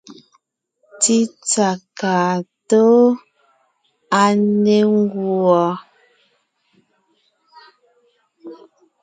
Tsítsà kaa tóo, à ne ńguɔ.